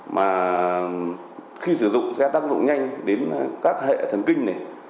mà khi sử dụng sẽ tác động nhanh đến các hệ thần kinh này